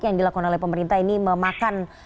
yang dilakukan oleh pemerintah ini memakan